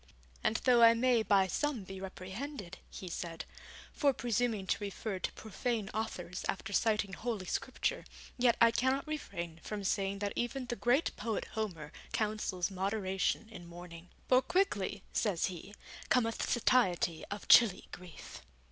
'And though I may by some be reprehended,' he said, 'for presuming to refer to profane authors after citing Holy Scripture, yet I cannot refrain from saying that even the great poet Homer counsels moderation in mourning, "for quickly," says he, "cometh satiety of chilly grief".'